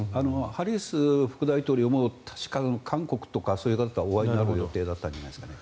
ハリス副大統領も確か韓国とかそういう方とお会いになる予定だったんじゃないですかね。